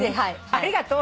ありがとう。